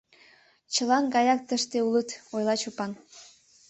— Чылан гаяк тыште улыт, — ойла Чопан.